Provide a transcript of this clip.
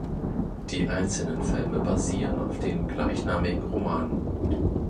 Die einzelnen Filme basieren auf den gleichnamigen Romanen.